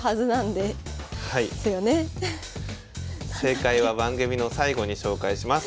正解は番組の最後に紹介します。